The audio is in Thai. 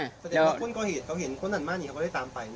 สันเดิมจากข้าวเขาก็เห็นคนนั้นนี่ก็เลยตามไป